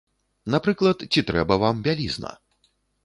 Напрыклад, ці трэба вам бялізна!